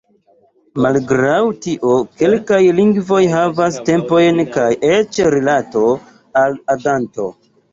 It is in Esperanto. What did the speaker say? Malgraŭ tio, kelkaj lingvoj havas tempojn kaj eĉ rilato al aganto.